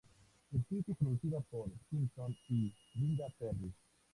Escrita y producida por Simpson y Linda Perry.